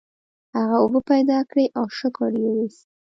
هغه اوبه پیدا کړې او شکر یې وویست.